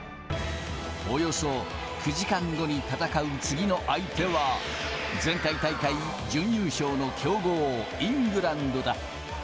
およそ９時間後に戦う次の相手は、前回大会準優勝の強豪、イングランドだ。